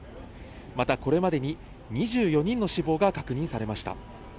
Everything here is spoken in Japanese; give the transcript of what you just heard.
またこれまでに２４人の死亡が確認されました。